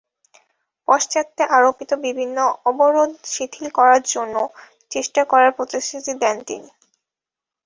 পাশ্চাত্যের আরোপিত বিভিন্ন অবরোধ শিথিল করার জন্য চেষ্টা করার প্রতিশ্রুতি দেন তিনি।